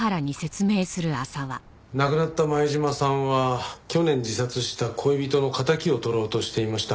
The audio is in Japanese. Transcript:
亡くなった前島さんは去年自殺した恋人の敵を取ろうとしていました。